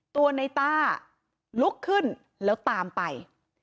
ตัวในต้าลุกขึ้นแล้วตามไป